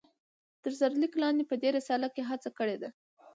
تر سر ليک لاندي په دي رساله کې هڅه کړي ده